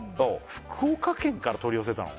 福岡県から取り寄せたの？